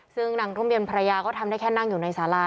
ซึ่งนางทุ่มเย็นภรรยาก็ทำได้แค่นั่งอยู่ในสารา